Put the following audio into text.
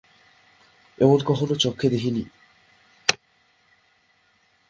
এমন কখনো চক্ষে দেখি নি।